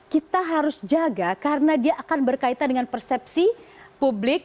kita harus jaga karena dia akan berkaitan dengan persepsi publik